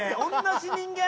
同じ人間？